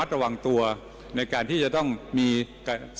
ผู้หญิงเชียบฝั่งนี้ต้องสิ่งข้อมูลกีฬ